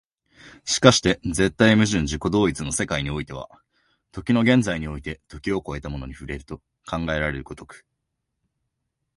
而して絶対矛盾的自己同一の世界においては、時の現在において時を越えたものに触れると考えられる如く、